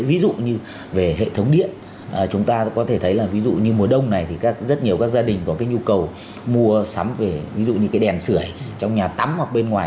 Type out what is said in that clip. ví dụ như về hệ thống điện chúng ta có thể thấy là ví dụ như mùa đông này thì rất nhiều các gia đình có cái nhu cầu mua sắm về ví dụ như cái đèn sửa trong nhà tắm hoặc bên ngoài